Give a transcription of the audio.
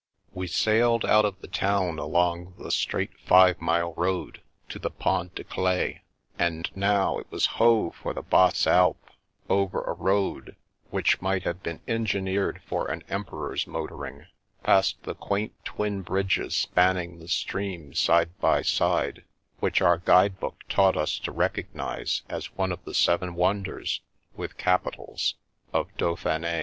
We sailed out of the town along the straight five mile road to the Pont de Claix, and now it was ho ! for the Basses Alpes, over a road which might have been engineered for an emperor's motoring ; past the quaint twin bridges spanning the stream side by side, which our guide book taught us to recognise as one of the Seven Wonders (with capitals) of Dau phine.